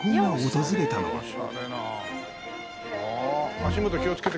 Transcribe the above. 足元気をつけて。